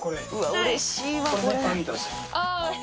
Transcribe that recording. うれしいわこれ。